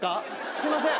すいません